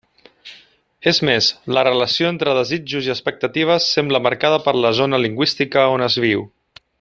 És més, la relació entre desitjos i expectatives sembla marcada per la zona lingüística on es viu.